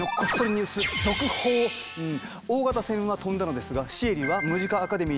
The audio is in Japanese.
大型船は飛んだのですがシエリはムジカ・アカデミーには戻ってこないもよう。